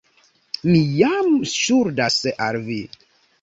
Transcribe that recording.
Mi jam ŝuldas al vi.